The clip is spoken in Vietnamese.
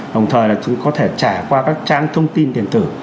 đồng thời là chúng có thể trải qua các trang thông tin điện tử